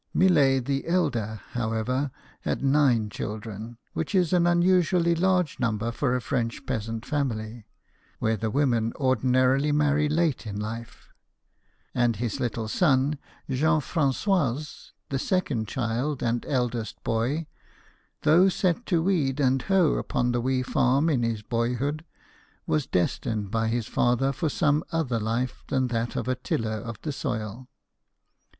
Millet the elder, however, had nine children, which is an unusually large number fora French peasant family (where the women ordinarily marry late in life) ; and his little son Jean Francois (the second child and eldest boy), though set to weed and hoe upon the wee farm in his boyhood, was destined "by his father for some other life than that of a tiller of the soil.